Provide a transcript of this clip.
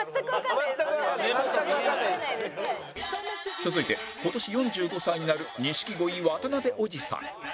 続いて今年４５歳になる錦鯉渡辺おじさん